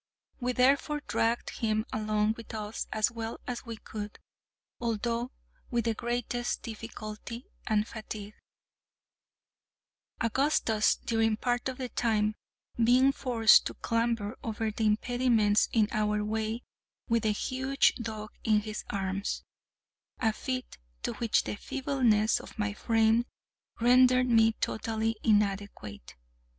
We therefore dragged him along with us as well as we could, although with the greatest difficulty and fatigue; Augustus, during part of the time, being forced to clamber over the impediments in our way with the huge dog in his arms—a feat to which the feebleness of my frame rendered me totally inadequate.